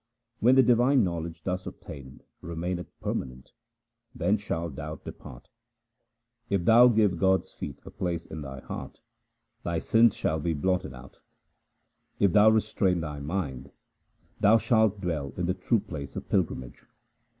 When the divine knowledge thus obtained remaineth permanent, then shall doubt depart. If thou give God's feet a place in thy heart, thy sins shall be blotted out. If thou restrain thy mind 1 thou shalt dwell in the true place of pilgrimage.